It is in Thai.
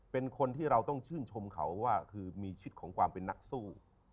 เป็นคนที่เราต้องชื่นชมเขาว่าคือมีชิดของความเป็นนักสู้